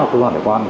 cơ quan hải quan